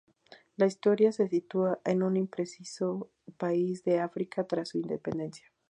La historia se sitúa en un impreciso país de África tras su independencia.